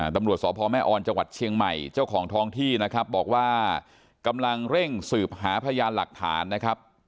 ตำรวจสพแม่ออนจังหวัดเชียงใหม่เจ้าของท้องที่นะครับบอกว่ากำลังเร่งสืบหาพยานหลักฐานนะครับ